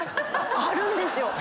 あるんですよ！